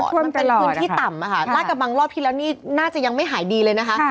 มันเป็นพื้นที่ต่ำลาดกระบังรอบที่แล้วนี่น่าจะยังไม่หายดีเลยนะคะ